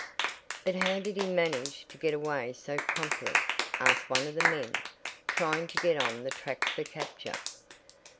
"But how did he manage to get away so promptly?" asked one of the men, trying to get on the track for capture.